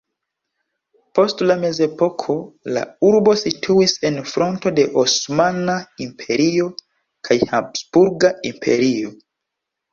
Post la mezepoko la urbo situis en fronto de Osmana Imperio kaj Habsburga Imperio.